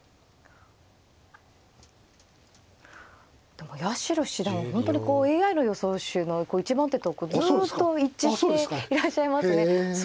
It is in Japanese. でも八代七段は本当にこうＡＩの予想手の１番手とずっと一致していらっしゃいますね。